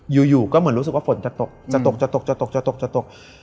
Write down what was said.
อยู่ก็เหมือนรู้สึกฝนจะตก